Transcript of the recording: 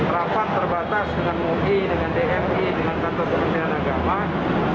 rapat terbatas dengan ui dengan dmi dengan kantor kementerian agama